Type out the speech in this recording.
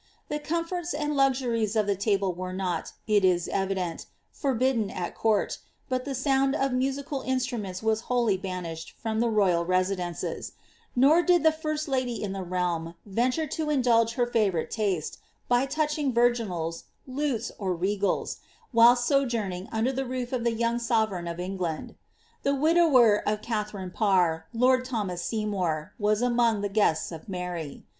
The comforts and luxuries of the table were not, it is evident, forbidden at court, but the sound of musical instruments was wholly banished from the royal residences ; nor did the tirst lady in the realm venture to indulge her favourite taste, by touching virginals, lute, or regals, whilst sojourning under the roof of the young sovereign of England. The widower o( Katharine Parr, lord Thomas Seymour, was •inong the guests of Mary.